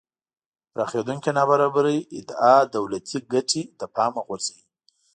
پراخېدونکې نابرابرۍ ادعا دولتی ګټې له پامه غورځوي